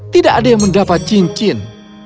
tidak ada yang mendapat cincin